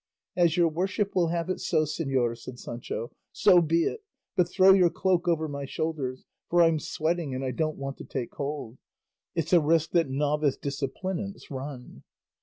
"As your worship will have it so, señor," said Sancho, "so be it; but throw your cloak over my shoulders, for I'm sweating and I don't want to take cold; it's a risk that novice disciplinants run."